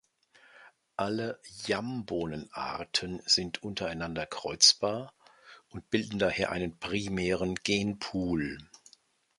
Alle Yambohnen-Arten sind untereinander kreuzbar und bilden daher einen primären Genpool.